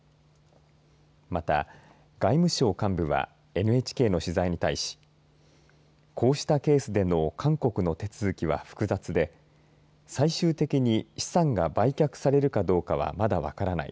また外務省幹部はＮＨＫの取材に対しこうしたケースでの韓国の手続きは複雑で最終的に資産が売却されるかどうかはまだ分からない。